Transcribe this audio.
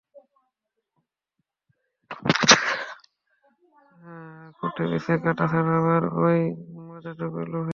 খুঁটে-বেছে কাঁটা ছাড়াবার ওই মজাটুকুর লোভে।